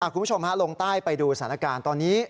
คุณผู้ชมลงใต้ไปดูสถานการณ์ตอนนี้